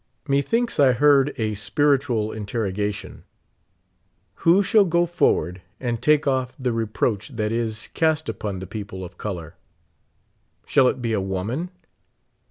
Methinks I heard a spiritual interrogation — "Who shall go forward and take off the reproach that is cast upon the people of color? Shall it be a woman?"